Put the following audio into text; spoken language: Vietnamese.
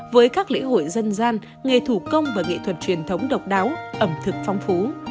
với các lễ hội dân gian nghề thủ công và nghệ thuật truyền thống độc đáo ẩm thực phong phú